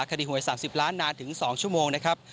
หวย๓๐ล้านนานถึง๒ชั่วโมงนะครับ